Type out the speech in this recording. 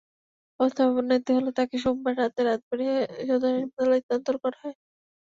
অবস্থার অবনতি হলে তাকে সোমবার রাতে রাজবাড়ী সদর হাসপাতালে স্থানান্তর করা হয়।